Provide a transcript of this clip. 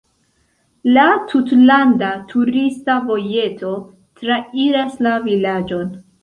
La tutlanda turista vojeto trairas la vilaĝon.